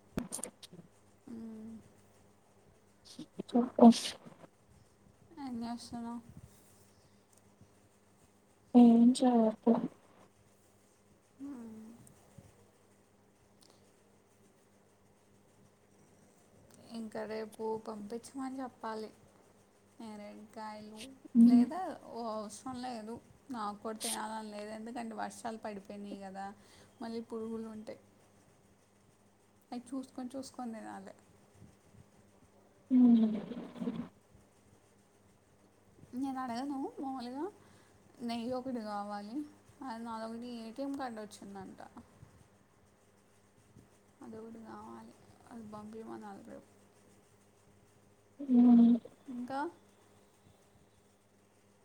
[inaudible] ఉమ్ [unintelligible] ఏం చేస్తున్నావ్ ఏం చెయ్యట్లే ఇంకా రేపు పంపించమని చెప్పాలి నేరెన్ని డు కాయలు లేదా ఓ అవసరం లేదు నాకు కూడా తినాలని లేదు ఎందుకంటే వర్షాలు పడిపోయినీ కదా మళ్ళీ పురుగులు ఉంటాయి అయి చూసుకొని చూసుకోని తినాలే ఉ నేను అడగను మామూలుగా నెయ్యి ఒకటి కావాలి అది నదొకటి ఏటీఎం కార్డు వచ్చిందంట అదొకటి కావాలి అది పంపిమనాలి రేపు ఉ ఇంకా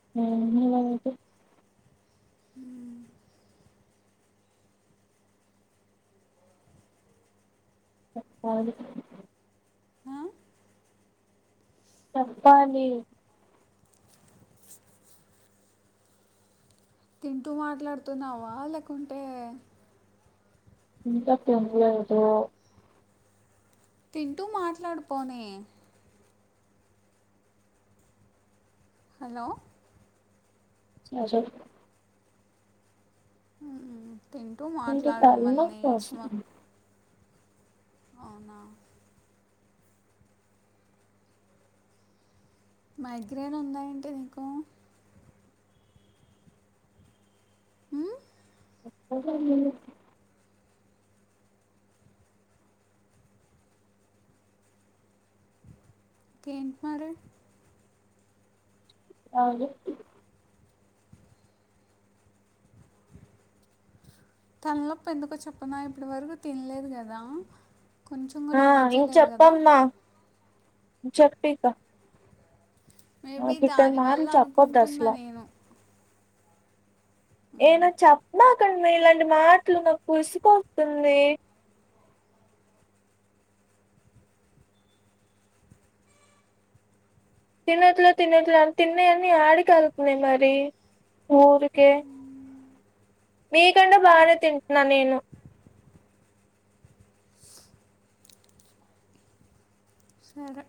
[unintelligible] హు కాదు ఆ చెప్పాలి తింటూ మాట్లాడుతున్నావా లేకుంటే ఇంక తినలేదు తింటూ మాట్లాడు పోనీ హలో అజయ్ మ్ తింటూ ఇంకా మాట్లాడు మళ్ళీ తలనొప్పి ఇస్డ్మా వస్తుంది అవునా మైగ్రైన్ ఉందా ఏంటి నీకు మ్మ్? [unintelligible] కేంటి మరి అవదు తల నొప్పి ఎందుకో చెప్పన ఇప్పటి వరకు తినలేదు కదా కొంచెం కూడా ఆ ఎనర్జీ లేదు కదా చేప్పిక మేబీ దానివల్ల మాటలు చెప్పొద్దు అనుకుంటున్నా అసలు నేను మ్మ్. ఏనా చెప్పినకద్ మీ ఇలాంటి మాటలు నాకు పులిసిపోతుంది తినట్లే తినట్లే అ తిన్నయ్యాన్ని యాడికెళ్తున్నై మరి ఊరికే మీ కంటే బాగనే తింటున్నా నేను సరే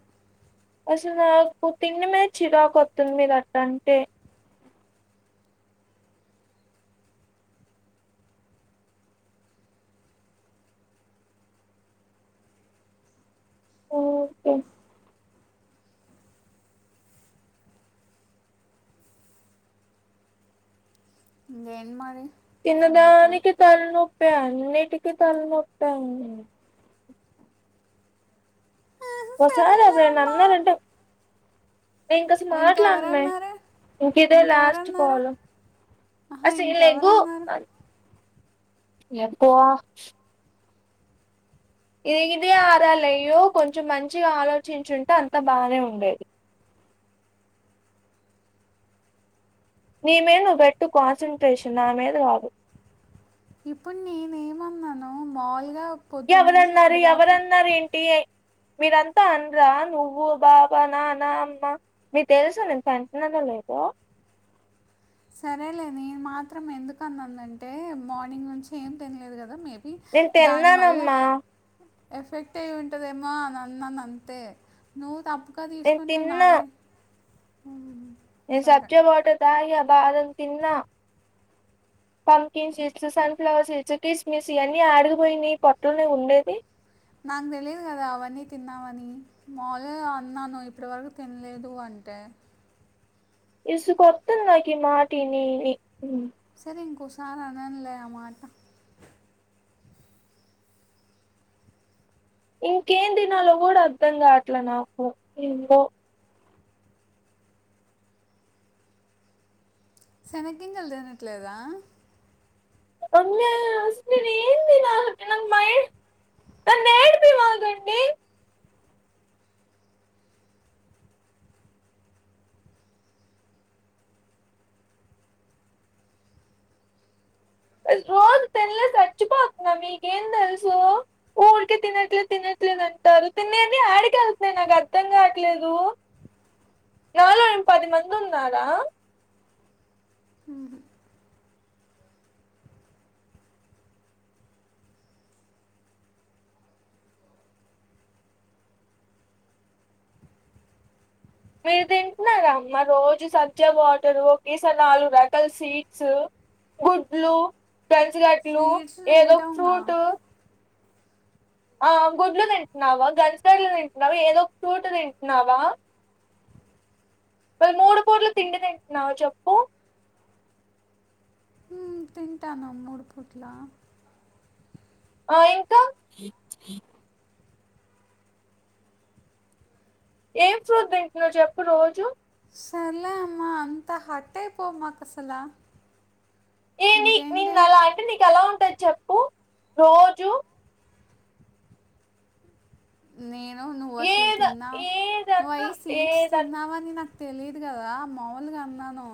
అసలు నాకు తీండి మీద చిరాకు వతుంది మీరు అట్ట అంటే ఓకే ఇంకేంటి మరి తిన్న సంగతులు దానికి తలనొప్యా అన్నిటికి తల నొప్పే అయి ఒకసారి సరేలే అన్ అమ్మా అన్నరంటే ఇంకా అసలు మాట్లాడనే ఇంకెవరన్నారు ఇంక ఇదే లాస్ట్ ఇంకెవరన్నారు కాల్ ఆహా అసల్లెగు ఇంకెవరన్నారు ఎప్ ఇగ ఇదే ఆరాలే ఇగో కొంచెం మంచిగా ఆలోచించుంటే అంత బానే ఉండేది నీ మీద నువ్ పెట్టు కాన్సన్ట్రేషన్ నా మీద కదు ఇప్పుడు నేనే ఏమన్నాను మాములుగా ఎవరన్నారు ఎవరన్నారు ఏంటి మీరంతా అనరా నువ్వు బావ నాన్న అమ్మ మీ తెలుసు నేను తంట్నన్నానో లేదో సరేలే నేను మాత్రం ఎందుకన్నానంటే మార్నింగ్ నుంచి ఏం తినలేదు కదా మీర్ నేను దానివల్ల తిన్నానమ్మా ఎఫెక్ట్ అయింటదేమో అని అన్నాను అంతే నువ్వు తప్పుగా నేను తీసుకుంటే తిన్నా నాదే మ్ ఏ సబ్చ వాటర్ తాగా బాదం తిన్న పంకిన్ సీట్స్ సన్ఫ్లవర్ సీట్స్ క్రిస్మిస్ ఇయన్నీ ఆడికిపోయినాయి పొట్లోనే ఉండేది నాకు తెలియదు కదా అవన్నీ తిన్నవని మాములుగా అన్నాను ఇప్పటి వరకు తినలేదు అంటే ఇసుకొతుంది నాకిమాట ఇనీ ఇని సరే ఇంకోసారి అననులే ఆమాట ఇంకేం తినాలో కూడా అర్ధంగా కాట్లే నాకు ఏందో సనగింజల్ తినట్లేదా అమ్యా అసల్ నీను ఏ ఏం తిన నన్ను ఏడిపియమాకండి రోజు తీంన్లేక సచ్చి పోతున్న మీకేం తెలుసు ఊరికిే తినట్లేదు తినట్లేదు అంటారు తినేది ఆడికేళ్తున్నాయి నాకు అర్థం కావట్లేదు నాలో ఏం పది మంది ఉన్నారా మ్ హు మీరు తింటున్నారమ్మా రోజు సజ్జా వాటరు ఒకేసారి నాలుగు రకాల సీడ్స్ గుడ్లు పెసరట్లు స్వీట్స్ ఏదో ఒక తింటాంగా ఫ్రూట్ ఆ గుడ్లు తింటున్నావా గంజకాయలు తింటున్నావా ఏదో ఒక ఫ్రూట్ తింటున్నావా వాళ్ళ మూడు పూట్లూ తిండితింటున్నావు చెప్పు "మ్మ్, తింటాను మూడు పూట్లా ఆ ఇంకా ఏం ఫ్రూట్ తింటున్నావు చెప్పు రోజు సర్లే అమ్మా అంతా హార్ట్ అయిపోమాకు అసల ఏ నీక్ నిన్న అలా అంటే నీకు ఎలా ఉంటది చెప్పు రోజు నేను నువ్వు అసలు ఏద తిన్నావు నువ్వు ఏదన్నా అవి సీడ్స్ ఏదన్నా తిన్నావు అని నాక్ తెలియదు కదా మాములుగా అన్నాను